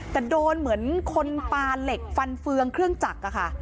แต่โดนเหมือนคนปาเหล็กฟันเฟืองเครื่องจักรอะค่ะ